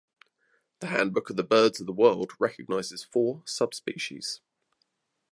The Handbook of the Birds of the World recognises four subspecies.